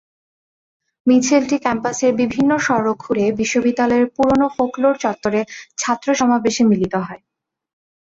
মিছিলটি ক্যাম্পাসের বিভিন্ন সড়ক ঘুরে বিশ্ববিদ্যালয়ের পুরোনো ফোকলোর চত্বরে ছাত্রসমাবেশে মিলিত হয়।